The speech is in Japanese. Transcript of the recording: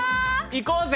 行こうぜ。